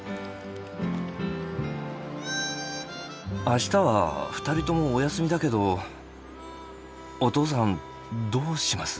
明日は２人ともお休みだけどお父さんどうします？